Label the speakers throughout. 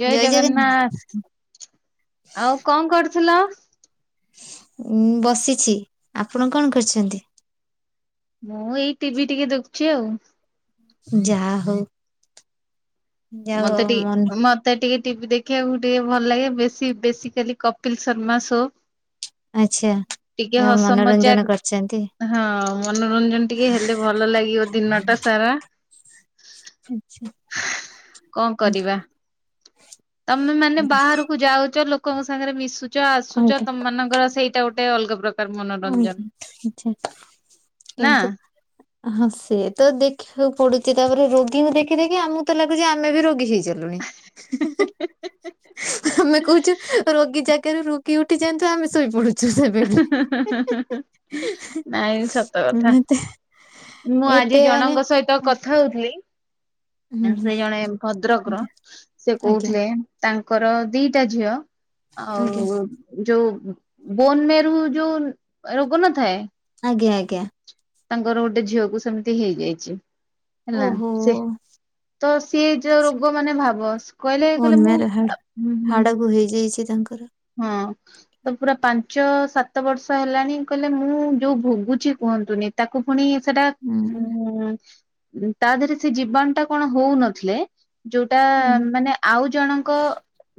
Speaker 1: ଜୟ ଜଗନ୍ନାଥ ଆଉ କଣ କରୁଥିଲ?
Speaker 2: ଉ ବସିଛି ଆପଣ କଣ କରୁଛନ୍ତି?
Speaker 1: ମୁଁ ଏଇ ଟିଭି ଟିକେ ଦେଖୁଛି ଆଉ।
Speaker 2: ଯା ହଉ। ଯାହା
Speaker 1: ମତେ
Speaker 2: ହଉ ମନ
Speaker 1: ଟିକେ ମତେ ଟିକେ ଟିଭି ଦେଖିବାକୁ ଟିକେ ଭଲ ଲାଗେ ବେଶି ବେଶିକାଲି କପିଲ ଶର୍ମା ଶୋ
Speaker 2: ଆଛା
Speaker 1: ଟିକେ
Speaker 2: ଆଉ
Speaker 1: ହସ ମଜାକ୍
Speaker 2: ମନୋରଞ୍ଜନ କରିଛନ୍ତି।
Speaker 1: ହଁ ମନୋରଞ୍ଜନ ଟିକେ ହେଲେ ଭଲ ଲାଗିବ ଦିନ ଟା ସାରା।
Speaker 2: ଆଚ୍ଛା
Speaker 1: କଣ କରିବା ତମେ ମାନେ ବାହାରକୁ ଯାଉଛ ଲୋକଙ୍କ ସାଙ୍ଗରେ ମିଶୁ ଆସୁଛ
Speaker 2: ଅଲଗା
Speaker 1: ତମମାନଙ୍କର ସେଇଟା ଗୋଟେ ଅଲଗା ପ୍ରକା
Speaker 2: ଆ ଆଛା
Speaker 1: ନା
Speaker 2: କିନ୍ତୁ ହଁ ସେ ତ ଦେଖିବାକୁ ପଡୁଛି ତାପରେ ରୋଗୀଙ୍କୁ ଦେଖି ଦେଖି ଆମକୁ ତ ଲାଗୁଛି ଆମେ ବି ରୋଗୀ ହେଇ ହେଇ ସାରିଲୁଣି ହି ହୀ ଆମେ କହୁଛୁ ରୋଗୀ ଯାକି ରେ ରୋଗି ଉଠିଯାଆନ୍ତୁ ଆମେ ଶୋଇପଡୁଛୁ ସେ ବେଡ୍
Speaker 1: ହି
Speaker 2: ରେ।
Speaker 1: ହିଁ ନାଇଁ ସତ କଥା।
Speaker 2: ଏତେ
Speaker 1: ମୁଁ ଆଜି
Speaker 2: ଏତେ ମାନେ
Speaker 1: ଜଣଙ୍କ ସହିତ କଥା ହଉଥିଲି। ସେ
Speaker 2: ଆଜ୍ଞା
Speaker 1: ଜଣେ ଭଦ୍ରକର ସେ
Speaker 2: ଆଜ୍ଞା
Speaker 1: କହୁଥିଲେ ତାଙ୍କର ଦିଟା ଝିଅ। ଆଉ ଯୋଉ ବୋନେ [unintelligible] ଯୋଉ ରୋଗ ନଥାଏ
Speaker 2: ଆଜ୍ଞା, ଆଜ୍ଞା।
Speaker 1: ତାଙ୍କର ଗୋଟେ ଝିଅକୁ ସେମିତି ହେଇଯାଇଚି।
Speaker 2: ଓହୋ!
Speaker 1: ତ ସିଏ ଯୋଉ ରୋଗ ମାନେ ଭାବ କହିଲେ କହିଲେ ମୁଁ
Speaker 2: ବୋନମେର ହାଡ
Speaker 1: ହୁଁ ହୁଁ
Speaker 2: ହାଡକୁ ହେଇଯାଇଛି। ତାଙ୍କ
Speaker 1: ହଁ ତ ପୁରା ପାଞ୍ଚ ସାତ ବର୍ଷ ହେଲାଣି କହିଲେ ମୁଁ ଯୋଉ ଭୋଗୁଛି କୁ କୁହନ୍ତୁନି ତାକୁ ପୁଣି ସେଟା
Speaker 2: ହୁଁ
Speaker 1: ଉଁ, ଉଁ, ତା ଦେହରେ ସେ ଜୀବାଣୁ ଟା କଣ ହଉନଥିଲେ। ଯୋଉଟା
Speaker 2: ହୁଁ
Speaker 1: ମାନେ ଆଉ ଜଣଙ୍କ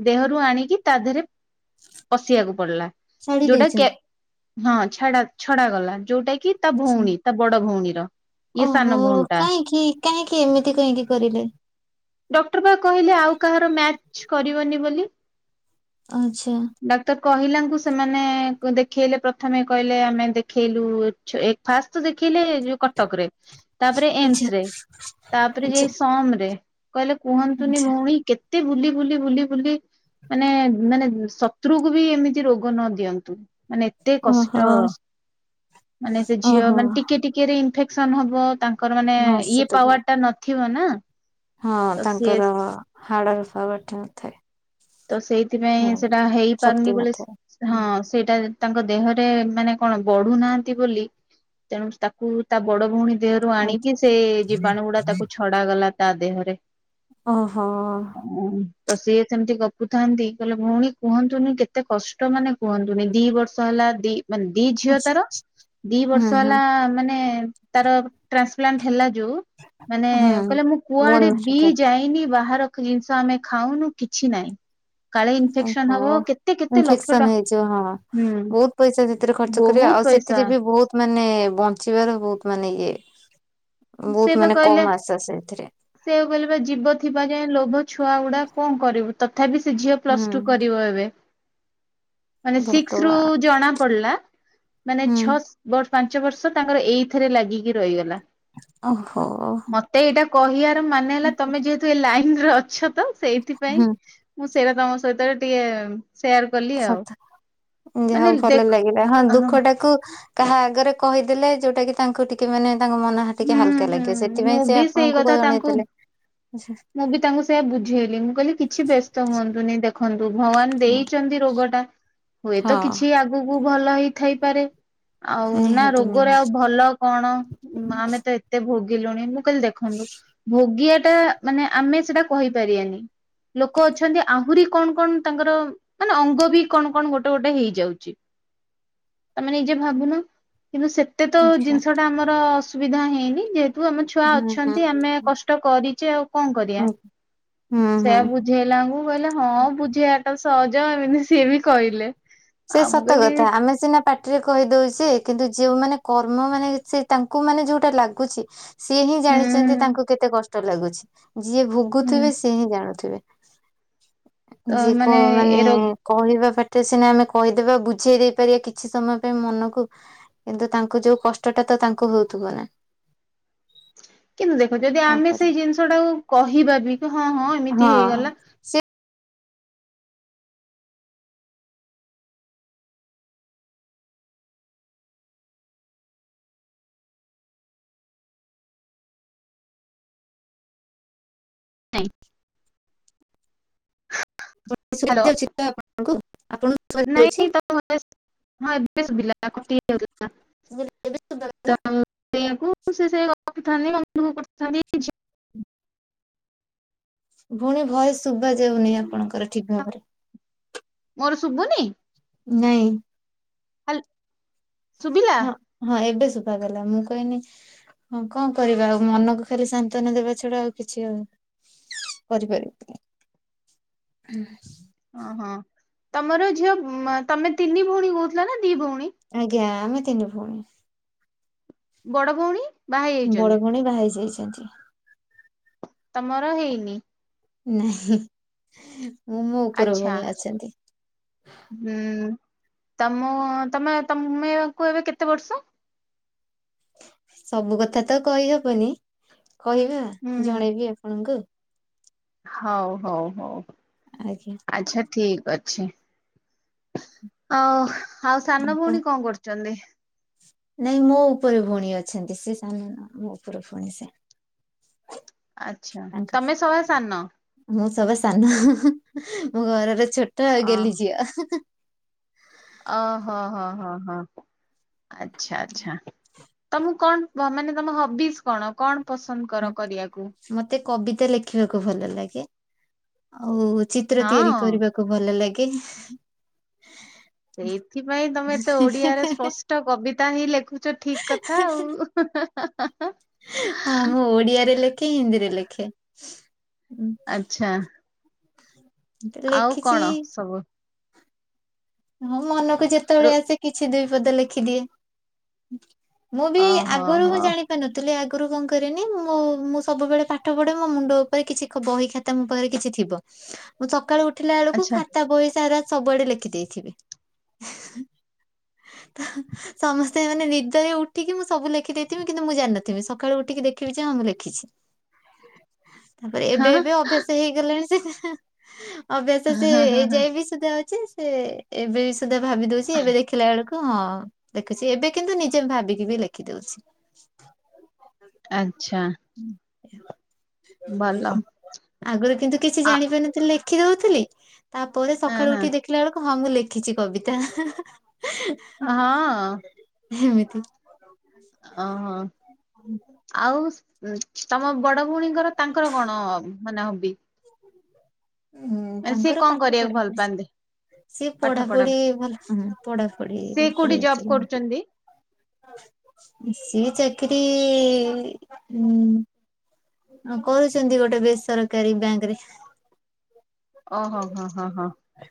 Speaker 1: ଦେହରୁ ଆଣିକି ତା ଦେହରେ ପଶିବାକୁ ପଡିଲା।
Speaker 2: ଛାଡି
Speaker 1: ଯୋଉଟା
Speaker 2: ଦେଇଛନ୍ତ।
Speaker 1: କେ ହଁ ଛାଡା ଛଡା ଗଲା ଯୋଉଟା କି ତା
Speaker 2: ଆଛା।
Speaker 1: ଭଉଣୀ ତା ବଡ ଭଉଣୀର। ଇଏ
Speaker 2: ଓହୋ!
Speaker 1: ସାନ ଭଉଣୀ ଟା
Speaker 2: କାଇଁକି, କାହିଁକି, ଏମିତି କାହିଁକି କରିଲେ?
Speaker 1: ଡକ୍ଟର୍ ପା କହିଲେ ଆଉ କାହାର ମ୍ୟାଚ୍ କରିବନି ବୋଲି।
Speaker 2: ଆଚ୍ଛା।
Speaker 1: ଡାକ୍ତର କହିଲାଙ୍କୁ ସେମାନେ ଦେଖେଇଲେ ପ୍ରଥମେ କହିଲେ ଆମେ ଦେଖେଇଲୁ ଛ-ଏ ଫାଷ୍ଟ ଦେଖି ଖିଲେ ଯୋଉ କଟକ ରେ। ତାପରେ ଏମସ୍
Speaker 2: ଆଛା।
Speaker 1: ରେ ତାପରେ
Speaker 2: ଆଛା
Speaker 1: ଯାଇ ସମ୍ ରେ। କହିଲେ କୁହନ୍ତୁନି
Speaker 2: ଆଛା
Speaker 1: ଭଉଣୀ କେତେ ବୁଲି ବୁଲି ବୁଲି ବୁଲି ମାନେ ମାନେ ଶତ୍ରୁକୁ ବି ଏମିତି ରୋଗ ନ ଦିଅନ୍ତୁ। ମାନେ ଏତେ
Speaker 2: ଓହୋ
Speaker 1: କଷ୍ଟ। ମାନେ ସେ ଝିଅ
Speaker 2: ଓହୋ
Speaker 1: ମାନେ ଟିକେ ଟିକେରେ ଇନ୍ଫେକ୍ ସନ ହବ। ତାଙ୍କ ତାଙ୍କର ମାନେ
Speaker 2: ହଁ ସେ
Speaker 1: ଇଏ
Speaker 2: ତ
Speaker 1: ପାୱାର
Speaker 2: ବହୁ-
Speaker 1: ଟା ନଥିବ ନା। ତ ସିଏ
Speaker 2: ପାୱାର୍ ଟା ନଥାଏ ।
Speaker 1: ତ ସେଇଥିପାଇଁ ସେଟା
Speaker 2: ଶକ୍ତି
Speaker 1: ହେଇପାରୁନି ବୋଲି
Speaker 2: ନଥାଏ। ହୁଁ,
Speaker 1: ହଁ ସେଇଟା ତାଙ୍କ ଦେହରେ ମାନେ କଣ ବଢୁନାହାନ୍ତି ବୋଲି। ତେଣୁ ତାକୁ ତା ବଡ ଭଉଣୀ ଦେହରୁ
Speaker 2: ଆଚ୍ଛା,
Speaker 1: ଆଣିକି ସେ ଜୀବାଣୁ ଗୁଡା ତାକୁ ଛଡା ଗଲା ତା ଦେହରେ।
Speaker 2: ଓ ହୋ!
Speaker 1: ତ ସିଏ ସେମିତି କ ହୁଥାନ୍ତି, କହିଲେ ଭଉଣୀ କୁହନ୍ତୁନି କେତେ କଷ୍ଟ ମାନେ କୁହନ୍ତୁନି ଦି ବର୍ଷ ହେଲା ଦି ମାନେ ଦି ଝିଅ
Speaker 2: ଆଛା
Speaker 1: ତାର ଦି
Speaker 2: ହୁଁ
Speaker 1: ବର୍ଷ
Speaker 2: ହୁଁ
Speaker 1: ହେଲା ମାନେ ତାର ଟ୍ରାନ୍ସପ୍ଲାଣ୍ଟ ହେଲା ଯୋଉ ମାନେ
Speaker 2: ହୁଁ।
Speaker 1: କହିଲେ ମୁଁ
Speaker 2: ବୋନ୍
Speaker 1: କୁଆଡେ ବି
Speaker 2: ମ୍ୟାରୋଟା,
Speaker 1: ଯାଇନି ବାହାର କି ଜିନିଷ ଆମେ ଖାଉନୁ କିଛି ନାହିଁ। କାଳେ ଇନଫେକ୍ସନ
Speaker 2: ଓହୋ!
Speaker 1: ହବ କେତେ କେତେ ଲକ୍ଷ ଟଙ୍କା
Speaker 2: ଇନଫେକ୍ସନ ହେଇଯିବ। ହଁ
Speaker 1: ହୁଁ
Speaker 2: ବହୁତ ପଇସା ସେଥିରେ ଖର୍ଚ୍ଚ କରି
Speaker 1: ବହୁତ
Speaker 2: ଆଉ
Speaker 1: ପଇସା
Speaker 2: ସେଥିରେ ବି ବହୁତ ମାନେ ବଞ୍ଚିବାର ବହୁତ ମାନେ ଇଏ। ବହୁତ ମାନେ କମ ଆଶା ସେଇଥି
Speaker 1: ସେୟାକୁ କହିଲି ପା ଜୀବ ଥିବା ଯାଏ ଲୋଭ ଛୁଆ ଗୁଡା କଣ କରିବୁ ତଥାପି ସେ ଝିଅ ପ୍ଲସ୍
Speaker 2: ହୁଁ
Speaker 1: ଟୁ କରିବ ଏବେ। ମାନେ ସିକ୍ସ ରୁ
Speaker 2: ଭଗବାନ
Speaker 1: ଜଣା ପଡିଲା। ମାନେ
Speaker 2: ହୁଁ
Speaker 1: ଛଅ ବ- ପାଞ୍ଚ ବର୍ଷ ତାଙ୍କର ଏଇଥିରେ ଲାଗିକି ରହିଗଲା।
Speaker 2: ଓହୋ!
Speaker 1: ମତେ ଏଇଟା କହିବାର ମାନେ ହେଲା ତୋମେ ଯେହେତୁ ଏ ଲାଇନ୍ ରେ ଅଛ ତ। ସେଇଥିପାଇଁଁ
Speaker 2: ହୁଁ
Speaker 1: ମୁଁ ସେଇଟା ତୋମ ସହିତ ରେ ଟିକେ ସେୟାର କଲି ଆଉ
Speaker 2: ସଥ ଉଁ, ଯାହା
Speaker 1: ମାନେ
Speaker 2: ହଉ ଭଲ
Speaker 1: ଦେଖ
Speaker 2: ଲାଗିଲା। ହଁ
Speaker 1: ହୁଁ
Speaker 2: ଦୁଃଖ ଟାକୁ କାହା ଆଗରେ କହିଦେଲେ ଯୋଉଟା କି ତାଙ୍କୁ ଟିକେ ମାନେ ତାଙ୍କ ମନ ହା-ଟିକେ ହାଲକା
Speaker 1: ହୁଁ
Speaker 2: ଲାଗିବ
Speaker 1: ମୁଁ
Speaker 2: ସେଥିପାଇଁ ସେ
Speaker 1: ବି ସେଇ
Speaker 2: ଆପଣଙ୍କୁ କଣ
Speaker 1: କଥା ତାଙ୍କୁ
Speaker 2: ଜଣେଇଥିଲେ।
Speaker 1: ମୁଁ ବି ତାଙ୍କୁ ସେଇୟା ବୁଝେଇଲି। ମୁଁ କହିଲି କିଛି ବ୍ୟସ୍ତ ହୁଅନ୍ତୁନି। ଦେ ଖନ୍ତୁ ଭଗବାନ ଦେଇଚନ୍ତି ରୋଗଟା ହୁଏତ
Speaker 2: ହଁ
Speaker 1: କିଛି ଆଗକୁ ଭଲ ହେଇଥାଇପାରେ। ଆଉ ନା
Speaker 2: ନିହାତି
Speaker 1: ରୋଗରେ ଆଉ
Speaker 2: ନିହାତି
Speaker 1: ଭଲ କଣ ଆମେ ତ ଏତେ ଭୋଗିଲୁଣି କହିଲି ଦେଖନ୍ତୁ ଭୋଗିବାଟା ମାନେ ଆମେ ସେଟା କହିପାରିବାନି। ଲୋକୋ ଅଛନ୍ତି ଆହୁରି କଣ କଣ ତାଙ୍କର ମାନେ ଅଙ୍ଗ ବି କଣ କଣ ଗୋଟେ ଗୋଟେ ହେଇଯାଉଛି। ତମେ ନିଜେ ଭାବୁନ। କିନ୍ତୁ ସେତେ ତ
Speaker 2: ଆଚ୍ଛା
Speaker 1: ଜିନିଷ ଟା ଆମର ଅସୁବିଧା ହେଇନି ଯେ ତୁ ଆମ ଛୁଆ
Speaker 2: ହୁଁ ହୁଁ
Speaker 1: ଅଛନ୍ତି ଆମେ
Speaker 2: ହୁଁ
Speaker 1: କଷ୍ଟ କରିଚେ ଆଉ କଁ କରିବା।
Speaker 2: ହୁଁ ହୁଁ ହୁଁ।
Speaker 1: ସେଇଆ ବୁଝେଇଲାଙ୍କୁ କହିଲେ ହଁ ବୁଝିବାଟା ସହଜ ଏମିତି ସିଏ ବି କହିଲେ।
Speaker 2: ସେ
Speaker 1: ଆଉ ମୁଁ
Speaker 2: ସତ
Speaker 1: କହିଲି
Speaker 2: କଥା ଆମେ ସିନା ପାଟିରେ କହିଦୋଉଛେ କିନ୍ତୁ ଯି ଯେଉଁମାନେ କର୍ମ ମାନେ ସେ ତାଙ୍କୁ ମାନେ ଯୋଉଟା ଲାଗୁଛି ସିଏ ହିଁ ଜାଣିଚନ୍ତି
Speaker 1: ହୁଁ
Speaker 2: ତାଙ୍କୁ କେତେ କସ୍ ଷ୍ଟ ଲାଗୁଛି ଯିଏ ଭୋଗୁଥିବେ
Speaker 1: ହୁଁ
Speaker 2: ସିଏ ହିଁ ଜାଣୁଥିବେ।
Speaker 1: ତ
Speaker 2: ଯିଏ କ ମାନେ
Speaker 1: ଏ ରୋ
Speaker 2: କହିବା ପାଟରେ ସିନା ଆମେ କୋ କହିଦେବା ବୁଝେଇ ଦେଇ ପାରିବା କିଛି ସମୟ ପାଇଁ ମନକୁ କିନ୍ତୁ ତାଙ୍କୁ ଯୋଉ କଷ୍ଟଟା ତ ତାଙ୍କୁ ହୋଉଥୁ [unintelligible]
Speaker 1: [inaudible] କିନ୍ତୁ ଦେଖ ଯଦି ଆମେ ସେଇ
Speaker 2: କରିବା
Speaker 1: ଜିନିଷ ଟାକୁ କହିବା ବି କି ହଁ ହଁ ଏମିତି
Speaker 2: ହଁ।
Speaker 1: ହେଇଗଲା।
Speaker 2: ସେ
Speaker 1: [unintelligible]
Speaker 2: ଭଏସ ଶୁଭା
Speaker 1: ହ୍ୟାଲୋ
Speaker 2: ଯାଉଛି ତ ଆପଣଙ୍କୁ। ଆପଣଙ୍କୁ ଶୁଭାଯାଉଛି?
Speaker 1: ନାଇଁ ତ ଏବେ ହିଁ ଏବେ ଶୁବିଲା କଟିଯାଉଥିଲା।
Speaker 2: ଏବେ
Speaker 1: ତ
Speaker 2: ଶୁଭାଗଲା?
Speaker 1: ସେଇଆକୁ ସେ ସେଇଆ କ କୋହୁଥାନ୍ତି ମନ ଦୁଃଖ କରୁଥାନ୍ତି ଝି
Speaker 2: ଭୋଉଣୀ ଭଏସ ଶୁବାଯାଉନି ଆପଣଙ୍କର ଠିକ ଭାବରେ।
Speaker 1: ମୋର ଶୁବୁନି।
Speaker 2: ନାଇଁ।
Speaker 1: ହାଲ୍। ଶୁଭିଲା
Speaker 2: ହଁ ହଁ ଏବେ ଶୁଭାଗଲା ମୁଁ କହିନି ହଁ କଣ କରିବା ଆଉ ମନକୁ ଖାଲି ସନ୍ତନା ଦେବା ଛଡା ଆଉ କିଛି ଆଉ କରିପାରିବିନି ହୁଁ।
Speaker 1: ଅହଁ ତମର ଝିଅ ଉଁମା ତମେ ତିନି ଭୋଉଣୀ କୋହୁଥିଲ ନା ଦି ଭଉଣୀ
Speaker 2: ଆଜ୍ଞା ଆମେ ତିନି ଭୋଉଣୀ।
Speaker 1: ବଡ ଭୋଉଣୀ
Speaker 2: ବଡ ଭଉଣୀ ବାହାହେଇ ଯାଇଚନ୍ତି।
Speaker 1: ତମର ହେଇନି
Speaker 2: ନାଇଁ ମୁଁ ମୋ ଉପର
Speaker 1: ଆଚ୍ଛା
Speaker 2: ଭୋଉଣୀ ଅଛନ୍ତି।
Speaker 1: ତମୋ ତମେ ତମେକୁ ଏବେ କେତେ ବର୍ଷ।
Speaker 2: ସବୁ କଥା ତ କହିହବନି କହିବା
Speaker 1: ହୁଁ ହୁଁ
Speaker 2: ଜଣେଇବି ଆପଣଙ୍କୁ
Speaker 1: ହଉ ହୋଉ ହୋଉ
Speaker 2: ଆଜ୍ଞା
Speaker 1: ଆଚ୍ଛା ଠିକ୍ ଅଛି ଆଉ ଆଉ ସାନ
Speaker 2: ଆପଣ
Speaker 1: ଭୋଉଣୀ କଣ କରୁଚନ୍ତି।
Speaker 2: ନାଇଁ ମୋ ଉପରେ ଭୋଉଣୀ ଅଛନ୍ତି ସେ ସାନ ନୁହଁ ମୋ ଉପର ଭୋଉଣୀ ସେ
Speaker 1: ଆଚ୍ଛା ତମେ ସଭା ସାନ
Speaker 2: ସଭା ସାନ ମୁଁ ଘରର ଛୋଟ ଆଉ ଗେଲ୍ହି ଝିଅ।
Speaker 1: ଅଁ ହୋ ହଁ ହଁ ହଁ ଆଚ୍ଛା ଆଚ୍ଛା। ତମକୁ କଣ ବ ମାନେ ତମ ହବିଜ୍ କଣ କଣ ପସନ୍ଦ କର
Speaker 2: ମ-
Speaker 1: କରିବାକୁ।
Speaker 2: ମତେ କବିତା ଲେଖିବାକୁ ଭଲ ଲାଗେ ଆଉ ଚିତ୍ର ତିଆରି
Speaker 1: ହଁ।
Speaker 2: କରିବାକୁ ଭଲ ଲା ଗେ
Speaker 1: ସେଇଥିପାଇଁ ତମେ ଏତେ ଓଡିଆରେ ସ୍ପଷ୍ଟ କବିତା ହିଁ ଲେଖୁଛ ଠିକ କଥା ଆଉ
Speaker 2: ହଁ ମୁଁ ଓଡିଆରେ ଲେଖେ ହିନ୍ଦୀରେ ଲେଖେ। ଉଁ,
Speaker 1: ଆଚ୍ଛା। ଆଉ
Speaker 2: ଲେଖିଛି
Speaker 1: କଣ ସବୁ
Speaker 2: ହଁ ମନକୁ ଯେତୋବେଳେ
Speaker 1: ରୋ
Speaker 2: ଆସେ କିଛି ଦୁଇ ପଦ ଲେଖିଦିଏ। ମୁଁ ବି
Speaker 1: ଓହୋ
Speaker 2: ଆଗରୁ ମୁଁ
Speaker 1: ହୋ
Speaker 2: ଜାଣି ପାରୁନଥିଲି ଆ ଆଗୁରୁ କଁ କରେନି ମୁଁ ମୁଁ ସବୁବେଳେ ପାଠ ପଢେ ମୋ ମୁଣ୍ଡ ଉପରେ କିଛି ଖ ବହି ଖାତା ମୋ ପାଖରେ କିଛି ଥିବ। ମୁଁ ସକାଳୁ ଉଠିଲା ବେଳକୁ
Speaker 1: ଆଚ୍ଛା।
Speaker 2: ଖାତା ବହି ସାରା ସବୁଆଡେ ଲେଖିଦିଏ। ଥିବି। ତ ହ ସମସ୍ତେ ମାନେ ନିଦରେ ଉଠିକି ମୁଁ ସବୁ ଲେଖି ଦେଇଥିବି କିନ୍ତୁ ମୁଁ ଜାନଥିବି ସକାଳୁ ଉଠିକି ଦେଖିବି ଯେଁ ମୁ ଲେଖିଛି।
Speaker 1: [inaudible]
Speaker 2: ତାପରେ ଏବେ
Speaker 1: ହଁ
Speaker 2: ଏବେ ଅଭ୍ୟାସ ହେଇଗଲାଣି ସେ ଅଭ୍ୟାସ
Speaker 1: ହଁ
Speaker 2: ସେଇ
Speaker 1: ହଁ ହଁ
Speaker 2: ଯାଇ ବିି ସେଧା ସେ ଏବେ ବି ସୁଦ୍ଧା ଭାବି ଦଉଛି ଏବେ ଦେଖିଲା ବେଳକୁ ହଁ ଦେଖୁଛି ଏବେ କିନ୍ତୁ ନିଜେ ଭାବିକି ବି ଲେଖିଦଉଛି।
Speaker 1: ଆଚ୍ଛା। ଭଲ
Speaker 2: ଆଗରୁ କିନ୍ତୁ କିଛି
Speaker 1: ଆ
Speaker 2: ଜାଣିପାରିନଥିଲି ଲେଖିଦଉଥିଲି। ତାପରେ
Speaker 1: ହଁ
Speaker 2: ସକାଳୁ
Speaker 1: ହଁ।
Speaker 2: ଉଠି ଦେଖିଲା ବେଳକୁ ହଁ ମୁଁ ଲେଖିଛି କବିତା ହା ହା।
Speaker 1: ଆ ହଁ।
Speaker 2: ଏମିତି।
Speaker 1: ଓହୋ ଆଉ। ତମ ବଡ ଭଉଣୀଙ୍କର ତାଙ୍କର କଣ ମାନେ ହବି?
Speaker 2: ହୁଁ
Speaker 1: ମାନେ ସିଏ
Speaker 2: ତାଙ୍କର
Speaker 1: କଣ
Speaker 2: ପାଠ
Speaker 1: କରିବାକୁ
Speaker 2: ପଢା
Speaker 1: ଭଲ
Speaker 2: ପ
Speaker 1: ପାଆନ୍ତି
Speaker 2: ସିଏ
Speaker 1: ପାଠ ପଢା
Speaker 2: ପଢାପଢି ଭଲ
Speaker 1: ସେ
Speaker 2: ପଢାପଢିଲ।
Speaker 1: କୋଉଠି ଜବ୍ କରୁଛନ୍ତି?
Speaker 2: [unintelligible] ଶିଏ ଚାକିରି ଉଁ। କରୁଛନ୍ତି ଗୋଟେ ବେସରକାରୀ ବ୍ୟାଙ୍କ ରେ।
Speaker 1: ଓ ହୋ ହଁ ହଁ ହଁ ହଁ।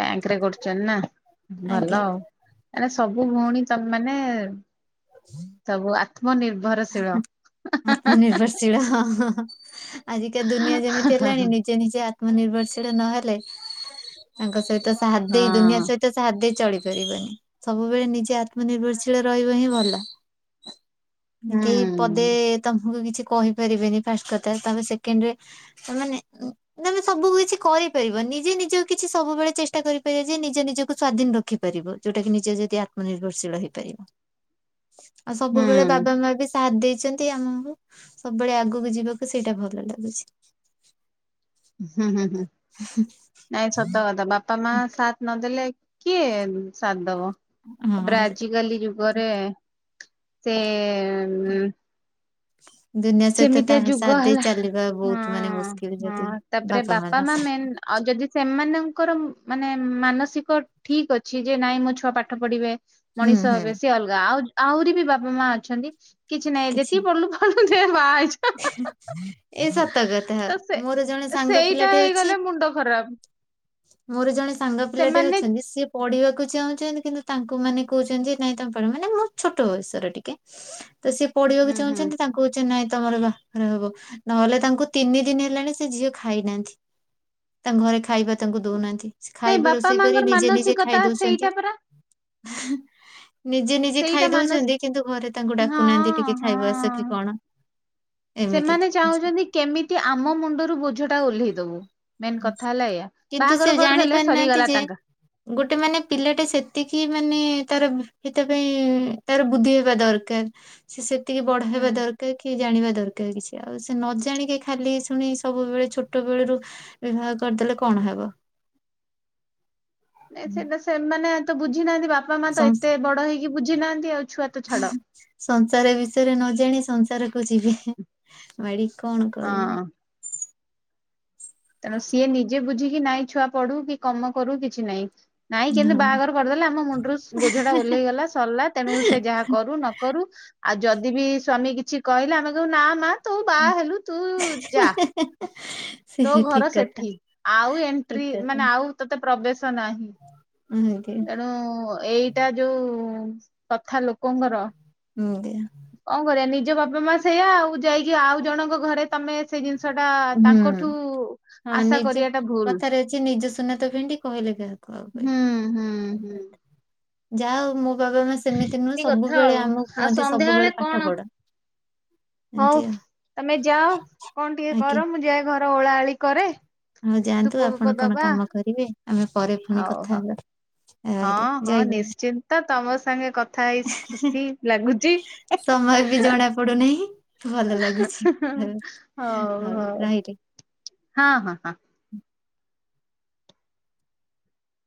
Speaker 1: ବ୍ୟାଙ୍କ ରେ କରୁଛନ୍ତି ନା ଭଲ
Speaker 2: ଆଜ୍ଞା।
Speaker 1: ଆଉ ମ ସବୁ ଭଉଣୀ ତମ ମାନେ ସବୁ ଆତ୍ମନିର୍ଭର।
Speaker 2: ଆତ୍ମ ନିିର୍ଭରଶିଳ। ଆଜିକା ଦୁନିଆ ଯେମିତି
Speaker 1: ହଁ
Speaker 2: ହେଲାଣି
Speaker 1: ହୁଁ
Speaker 2: ନିଜେ ନିଜେ ଆତ୍ମନିର୍ଭରଶୀଳ ନହେଲେ ତାଙ୍କ ସହିତ ସାହା ଦେଇ ଦୁନିଆ ସହିତ ସାହା ଦେଇ ଚଳିପାରିବନି ସବୁବେଳେ ନିଜେ ଆତ୍ମନିର୍ଭରଶୀଳ ରହିବ ହିଁ ଭଲ।
Speaker 1: ହୁଁ
Speaker 2: କେହି ପଦେ ତମକୁ କିଛି କହିପାରିବେନି ଫାଷ୍ଟ କଥା ତାପ ସେକେଣ୍ଡ ରେ ସେମାନେ ତମେ ସବୁ କିଛି କରିପାରିବନି। ନିଜେ ନିଜକୁ କିଛି ସବୁବେଳେ ଚେଷ୍ଟା କରିପାରିବେ ଯେ ନିଜ ନିଜକୁ ସ ସ୍ଵାଧିନ ରଖିପାରିବ ଯୋଉଟା କିି ନିଜ ଯଦି ଆତ୍ମନିର୍ଭର ଶୀଳ ହେଇପାରିବ।
Speaker 1: ହ
Speaker 2: ଆଉ ସବୁବେଳେ ବାବା ମା ବି ସାଥ ଦେଇଛନ୍ତି ଆମକୁ ସବୁବେଳେ ଆଗକୁ ଯିବାକୁ ସେଇଟା ଭଲ ଲାଗୁଛି।
Speaker 1: ହଁ ହୁଁ ହୁଁ ନାଇଁ ସତ କଥା ବାପା ମା ସାଥ ନଦେଲେ କିଏ ସାଥ ଦବ ତାପରେ
Speaker 2: ହଁ
Speaker 1: ଆଜିକାଲି ଯୁଗରେ ସେ ଏ ଉଁ
Speaker 2: [inaudible] ଦୁନିଆ ସହିତ
Speaker 1: ଯେମିତିଆ
Speaker 2: ତାହା
Speaker 1: ଯୁଗ
Speaker 2: ସାଦ ଦେଇ
Speaker 1: ହେଲା
Speaker 2: ଚାଲିବା
Speaker 1: ହଁ
Speaker 2: ବହୁତ ମାନେ ମୁସ୍କିଲ ଯଦି
Speaker 1: ହଁ ତାପରେ
Speaker 2: ବାପା ମା
Speaker 1: ମେନ୍
Speaker 2: ସତ
Speaker 1: ଆଉ ଯଦି ସେମାନଙ୍କର ମାନେ ମାନସିକ ଠିକ ଅଛି ଯେ ନାଇଁ ମୋ ଛୁଆ ପାଠ ପଢିବେ।
Speaker 2: ହୁଁ
Speaker 1: ମଣିଷ
Speaker 2: ହୁଁ
Speaker 1: ହେବେ ସେ ଅଲଗା ଆଉ ଆହୁରି ବି ବାପା ମା ଅଛନ୍ତି କିଛି ନାହିଁ ଯେତିକି ପଢିଲୁ ପ ବା ହେଇଯା ହା ହା,
Speaker 2: ଏ ସତ କଥା
Speaker 1: ତ ସେ
Speaker 2: ମୋର ଜଣେ ସାଙ୍ଗ
Speaker 1: ସେଇଟା
Speaker 2: ପିଲାଟେ ଅଛି
Speaker 1: ହେଇଗଲେ ମୁଣ୍ଡ ଖରାପ୍। [unintelligible]
Speaker 2: ମୋର ଜଣେ ସାଙ୍ଗ ପିଲା ଟେ ଅଛନ୍ତି ସିଏ ପଢିବାକୁ ଚାହୁଁ କିନ୍ତୁ ତାଙ୍କୁ ମାନେ କହୁଛନ୍ତି ନାଇଁ ତଙ୍କ ପା ମାନେ ମୋର ଛୋଟ ବୟସର ଟିକେ। ତ ସିଏ ପଢିବାକୁ
Speaker 1: ହୁଁ ହୁଁ
Speaker 2: ଚାହୁଁଛନ୍ତି ତାଙ୍କୁ ଚେ ନାଇ ତମର ବାହାଘର ହବ ନହେଲେ ତାଙ୍କୁ ତିନି ଦିନ ହେଲାଣି ସେ ଝିଅ ଖାଇନାହାନ୍ତି। ତାଙ୍କ ଘରେ ଖାଇବା ତାଙ୍କୁ ଦଉନାହାନ୍ତି ସେ
Speaker 1: ନାଇଁ
Speaker 2: ଖାଇବା
Speaker 1: ବାପା
Speaker 2: ରୋଷେଇ କରି
Speaker 1: ମାଙ୍କର
Speaker 2: ନିଜେ ନିଜେ
Speaker 1: ମାନସିକତା
Speaker 2: ଖାଇ ଦଉଛନ୍ତି।
Speaker 1: ସେଇଟା ପରା
Speaker 2: ହେ। ନିଜେ ନିଜେ
Speaker 1: ସେଇଟା
Speaker 2: ଖାଇ
Speaker 1: ମାନସ
Speaker 2: ଦଉଛନ୍ତି କିନ୍ତୁ ଘରେ ତାଙ୍କୁ
Speaker 1: ହଁ
Speaker 2: ଡାକୁନାହାନ୍ତି ଟିକେ ଖାଇବା ଆସ
Speaker 1: ହଁ
Speaker 2: କି କଣ। ଏମିତି
Speaker 1: ସେମାନେ ଚାହୁଁଛନ୍ତି କେମିତି ଆମ ମୁଣ୍ଡରୁ ବୋଝ ଟା ଓହ୍ଲେଇ ଦବୁ। ମେନ୍ କଥା ହେଲା ଏୟା
Speaker 2: କିନ୍ତୁ ସେ
Speaker 1: ବାହାଘର
Speaker 2: ଜାଣି
Speaker 1: କରିଦେଲେ
Speaker 2: ପାରୁନାହାନ୍ତି
Speaker 1: ସରିଗଲା
Speaker 2: ଯେ
Speaker 1: ତାଙ୍କ
Speaker 2: ଗୋଟେ ମାନେ ପିଲାଟେ ସେତିକି ମାନେ । ତାର ବ ସେଥିପାଇଁ ତାର ବୁଦ୍ଧି ହେବା ଦରକାର ସେ ସେ ଟିକେ ବଡ ହେବା
Speaker 1: ହୁଁ।
Speaker 2: ଦରକାର କି ଜାଣିବା ଦର କାର କିଛି ଆଉ ସେ ନ ଜାଣିକି ଖାଲି ଶୁଣି ସବୁବେଳେ ଛୋଟ ବେଳୁରୁ। ବିବାହ କରିଦେଲେ କଣ ହେବ।
Speaker 1: ନାଇ ସେଟା ସେମାନେ ତ ବୁଝି ନାହାନ୍ତି ବାପା ମା ତ
Speaker 2: ସଂସ୍
Speaker 1: ଏତେ ବଡ ହେଇକି ବୁଝି ନାହାନ୍ତି ଆଉ। ଛୁଆ ତ ଛାଡ।
Speaker 2: ସଂସାର ବିଷୟରେ ନ ଜାଣି ସଂସାରକୁ ଯିବେ ମାଡି। କଣ କହିବ।
Speaker 1: ହଁ ତେଣୁ ସିଏ ନିଜେ ବୁଝିକି ନାଇଁ ଛୁଆ ପଢୁ କି କମ କରୁ କିଛି ନାଇଁ। ନାଇଁ କିନ୍ତୁ
Speaker 2: ହଁ
Speaker 1: ବାହାଘର କରିଦେଲେ ଆମ ମୁଣ୍ଡରୁ ବୋଝ ଟା ଓହ୍ଲେଇ ଗଲା ସରିଲା ତେଣୁ ସେ ଯାହା କରୁ ନକରୁ। ଆଉ ଯଦି ବି ସ୍ଵାମୀ କିଛି କହିଲେ ଆମେ କହିବୁ ନା ମା ତୁ ବାହା ହେଲୁ ତୁ ଯା।
Speaker 2: ସେ
Speaker 1: ତୋ ଘର
Speaker 2: ଠିକ କଥା
Speaker 1: ସେଠି ଆଉ
Speaker 2: ଠିକ
Speaker 1: ଏଣ୍ଟ୍ରି
Speaker 2: କଥା।
Speaker 1: ମାନେ ଆଉ ତତେ ପ୍ରବେଶ ନାହିଁ।
Speaker 2: ହୁଁ ଦିଅ
Speaker 1: ତେଣୁ ଏଇଟା ଯୋଉ କଥା ଲୋକଙ୍କର।
Speaker 2: ଏମିତିଆ।
Speaker 1: କଣ କରିବା ନିଜ ବାପା ମା ସେଇୟା ଆଉ ଯାଇକି ଆଉ ଜଣଙ୍କ ଘରେ ତମେ ସେ ଜିନିସ ସଟା
Speaker 2: ହୁଁ
Speaker 1: ତାଙ୍କଠୁ
Speaker 2: ହଁ
Speaker 1: ଆଶା
Speaker 2: ନିଜ
Speaker 1: କରିବା ଟା ଭୁଲ।
Speaker 2: କଥାରେ ଅଛି ନିଜ ସୁନା ତ ଭେଣ୍ଡି କହିଲେ କାହାକୁ ଆଉ କହିବେ।
Speaker 1: ହୁଁ ହୁଁ ହୁଁ।
Speaker 2: ଯାହା ହଉ ମୋ ବାବା ମା ସେମିତି ନୁହେଁ
Speaker 1: ଏମିତି କଥା
Speaker 2: ସବୁବେଳେ
Speaker 1: ଆଉ
Speaker 2: ଆମକୁ
Speaker 1: ଆଉ
Speaker 2: କୁହନ୍ତି
Speaker 1: ସନ୍ଧ୍ୟା ବେଳେ
Speaker 2: ସବୁବେଳେ ପାଠ
Speaker 1: କଣ
Speaker 2: ପଢ। ଏମିତି
Speaker 1: ହଉ
Speaker 2: ଆଉ।
Speaker 1: ତମେ ଯାଅ କଣ ଟିକେ କର ମୁଁ ଯାଏ ଘର ଓଳା ଓଳି କରେ।
Speaker 2: ହଉ
Speaker 1: ଧୂପ
Speaker 2: ଯାଆନ୍ତୁ
Speaker 1: ଫୂପ
Speaker 2: ଆପଣ କଣ
Speaker 1: ଦବା
Speaker 2: କାମ କରିବେ। ଆମେ ପରେ ପୁଣି
Speaker 1: ହଉ
Speaker 2: କଥା
Speaker 1: ହଉ
Speaker 2: ହେବା ରହିଲି
Speaker 1: ହଁ ହଁ
Speaker 2: ଜୟ ଜଗନ୍ନାଥ।
Speaker 1: ନିଶ୍ଚିନ୍ତ ତମ ସାଙ୍ଗେ କଥା ହେଇ ଖୁସି ଲାଗୁଚି।
Speaker 2: ସମୟ ବି ଜଣା ପଡୁନାହିଁ ଭଲ
Speaker 1: ହଁ
Speaker 2: ଲାଗୁଛି
Speaker 1: ହଁ ହଉ ହଉ ହଁ ହଁ ହଁ।